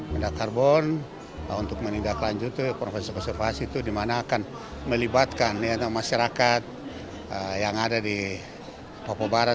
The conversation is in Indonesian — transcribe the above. mendak karbon untuk meningkat lanjut itu provinsi konservasi itu dimana akan melibatkan masyarakat yang ada di papua barat